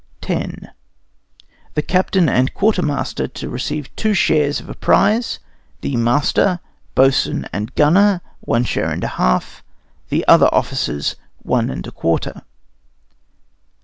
X The captain and quartermaster to receive two shares of a prize; the master, boatswain, and gunner, one share and a half, the other officers one and a quarter.